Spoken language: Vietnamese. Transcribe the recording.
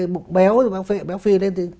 bụng béo béo phi lên